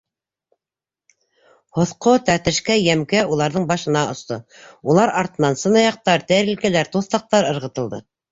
Һоҫҡо, тәртешкә, йәмкә уларҙың башына осто; улар артынан сынаяҡтар, тәрилкәләр, туҫтаҡтар ырғытылды.